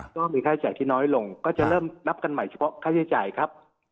ก็มีค่าใช้จ่ายที่น้อยลงก็จะเริ่มนับกันใหม่เฉพาะค่าใช้จ่ายครับ